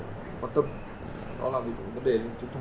có thể nói là rất trực diện vào những vấn đề khác biệt quan tâm